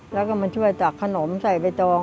แล้วก็มาช่วยตักขนมใส่ใบตอง